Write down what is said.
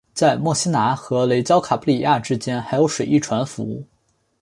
在墨西拿和雷焦卡拉布里亚之间还有水翼船服务。